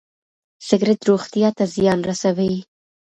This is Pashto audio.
سګرټ روغتيا ته زيان رسوي.